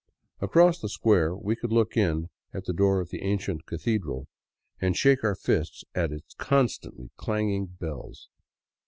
Across the square we could look in at the door of the ancient Cathedral — and shake our fists at its constantly clanging bells.